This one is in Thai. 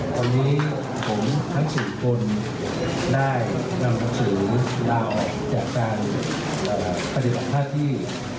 ตอนนี้ผมทั้ง๔คนได้นำรับสินค้าลาออกจากการปฏิบัติภาพที่